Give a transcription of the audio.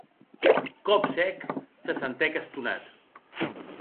Còp sec se sentec estonat.